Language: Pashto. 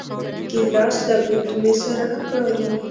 ګیلاس له ګوتمې سره ښکاري.